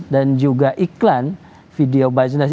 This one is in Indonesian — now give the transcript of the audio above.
dan juga iklan video basnas